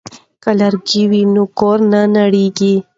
که لرګی وي نو کور نه نړیږي.